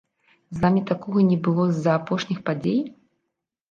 З вамі такога не было з-за апошніх падзей?